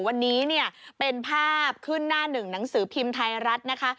วันนี้เนี่ยเป็นภาพขึ้นหน้าหนึ่งหนังสือพิมพ์ไทยรัฐนะคะ